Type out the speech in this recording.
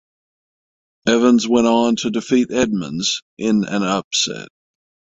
Evans went on to defeat Edmunds in an upset.